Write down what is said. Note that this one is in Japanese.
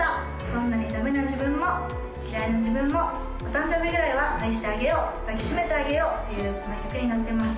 どんなにダメな自分も嫌いな自分もお誕生日ぐらいは愛してあげよう抱きしめてあげようというそんな曲になってます